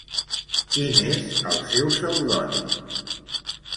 Quin és el seu pseudònim?